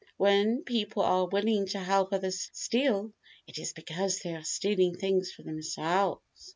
When people are willing to help others steal it is because they are stealing things for themselves.